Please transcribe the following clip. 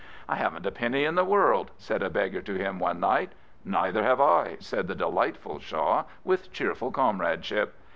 " I haven't a penny in the world," said a beggar to him one night. " Neither have I," said the delightful Shaw, with cheerful comradeship.